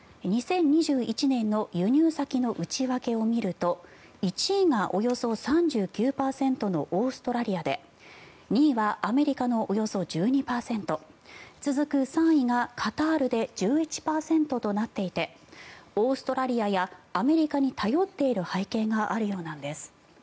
２０２１年の輸入先の内訳を見ると１位がおよそ３９％のオーストラリアで２位はアメリカのおよそ１２％続く３位がカタールで１１％となっていてオーストラリアやアメリカに頼っている背景があるようなんです。